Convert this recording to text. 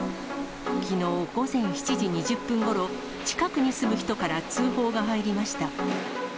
きのう午前７時２０分ごろ、近くに住む人から通報が入りました。